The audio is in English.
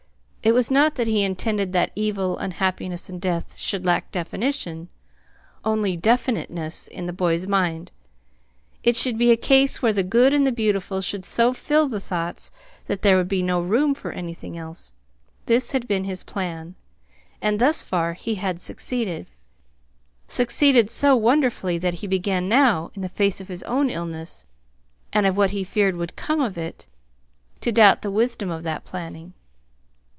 It was not that he intended that evil, unhappiness, and death should lack definition, only definiteness, in the boy's mind. It should be a case where the good and the beautiful should so fill the thoughts that there would be no room for anything else. This had been his plan. And thus far he had succeeded succeeded so wonderfully that he began now, in the face of his own illness, and of what he feared would come of it, to doubt the wisdom of that planning.